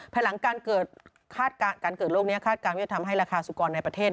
ภายหลังการเกิดโรคนี้คาดการณ์ว่าจะทำให้ราคาสุกรในประเทศ